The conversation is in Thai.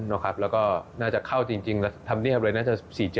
แล้วก็น่าจะเข้าจริงแล้วทำเนียบเลยน่าจะ๔๗